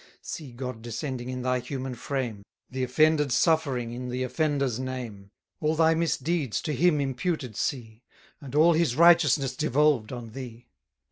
See God descending in thy human frame; The Offended suffering in the offender's name: All thy misdeeds to Him imputed see, And all His righteousness devolved on thee.